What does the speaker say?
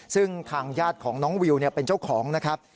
ซึ่งทางญาติของน้องวิวเป็นเจ้าของนะครับ